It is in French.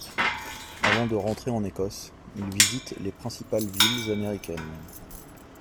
Avant de rentrer en Écosse, ils visitent les principales villes américaines.